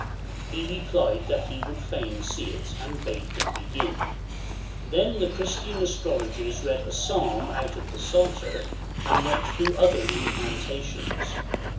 He replied that he would fain see it, and bade them begin. Then the Christian astrologers read a Psalm out of the Psalter, and went through other incantations.